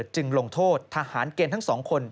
จึงลงโทษทหารเกณฑ์ทั้ง๒คน